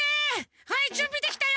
はいじゅんびできたよ！